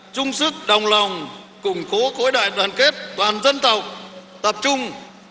chung sức đồng lòng củng cố khối đại đoàn kết toàn dân tộc tập trung